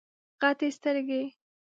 غټي سترګي